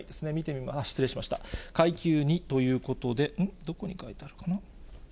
階級２ということで、どこに書いてあるかな。